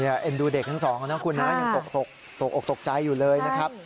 เนี่ยเอ็มดูเด็กทั้งสองของน้องคุณนะยังตกตกตกตกตกใจอยู่เลยนะครับ